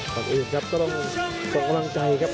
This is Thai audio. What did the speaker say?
ที่เคยเสมอกันมาในครั้งก่อนครับ